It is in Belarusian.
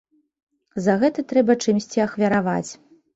За гэта трэба чымсьці ахвяраваць.